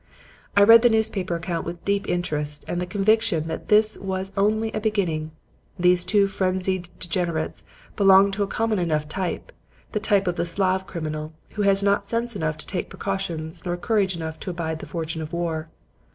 "I read the newspaper account with deep interest and the conviction that this was only a beginning. Those two frenzied degenerates belonged to a common enough type; the type of the Slav criminal who has not sense enough to take precautions nor courage enough to abide the fortune of war.